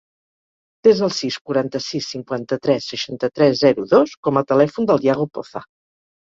Desa el sis, quaranta-sis, cinquanta-tres, seixanta-tres, zero, dos com a telèfon del Yago Poza.